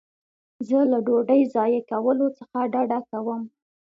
زه له ډوډۍ ضایع کولو څخه ډډه کوم.